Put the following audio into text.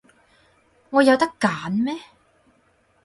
我有得揀咩？